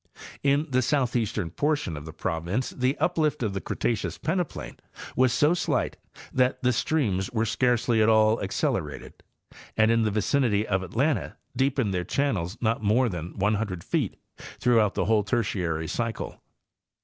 In the southeastern portion of the province the uplift of the Cretaceous peneplain was so slight that the streams were scarcely at all accelerated, and in the vicinity of Atlanta deepened their channels not more than 100 feet throughout the whole Tertiary cycle.